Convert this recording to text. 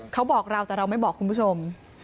เขาบอกเราแต่เราไม่บอกคุณผู้ชม